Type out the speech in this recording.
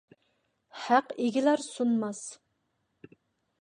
ھەق ئېگىلەر، سۇنماس!